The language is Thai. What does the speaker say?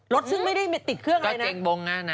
รถซึ่งไม่ได้ติดเครื่องอะไรนะ